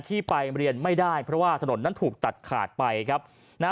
ที่ไปเรียนไม่ได้เพราะว่าถนนนั้นถูกตัดขาดไปครับนะฮะ